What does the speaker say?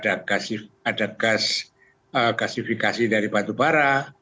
ada gasifikasi dari batu bara